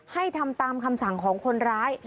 ให้ทำตามคำสั่งของคนร้าย